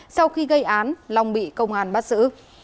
sau khi gây án long bị công an bắt giữ